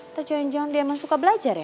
atau jangan jangan dia emang suka belajar ya